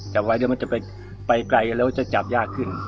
แต่ว่าเดี๋ยวมันจะไปไกลแล้วจะจับยากขึ้น